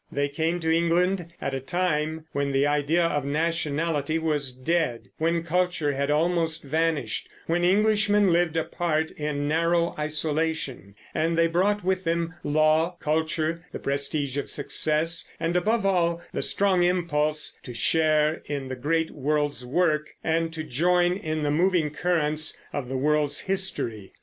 They came to England at a time when the idea of nationality was dead, when culture had almost vanished, when Englishmen lived apart in narrow isolation; and they brought with them law, culture, the prestige of success, and above all the strong impulse to share in the great world's work and to join in the moving currents of the world's history.